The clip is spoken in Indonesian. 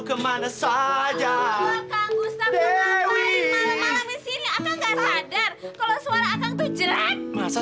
kemana saja kagus ngapain malem malem di sini aku nggak sadar kalau suara aku itu jerat masa